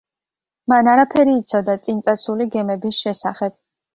მან არაფერი იცოდა წინ წასული გემების შესახებ.